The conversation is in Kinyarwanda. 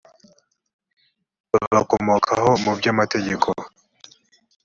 babakomokaho mu byo amategeko